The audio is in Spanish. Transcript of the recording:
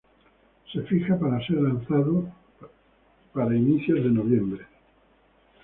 Se fija para ser lanzado para inicios de noviembre.